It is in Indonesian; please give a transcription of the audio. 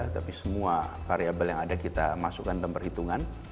tapi semua variable yang ada kita masukkan dalam perhitungan